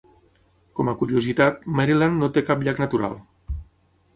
Com a curiositat, Maryland no té cap llac natural.